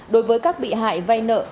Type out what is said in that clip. đối với các bị hại vai nợ